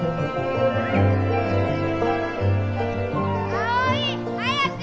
葵早く！